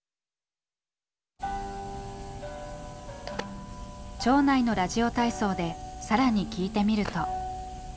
町内のラジオ体操で更に聞いてみると。